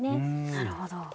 なるほど。